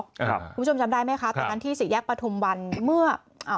คุณคุณผู้ชมจำได้ไหมคะแต่การที่ศิกยกปธุมวันเมื่อ